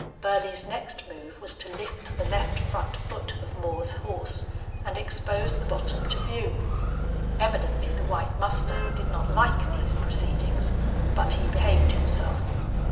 Burley's next move was to lift the left front foot of Moore's horse and expose the bottom to view. Evidently the white mustang did not like these proceedings, but he behaved himself.